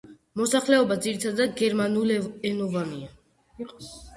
მოსახლეობა ძირითადად გერმანულენოვანია.